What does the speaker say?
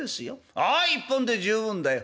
「ああ１本で十分だよ」。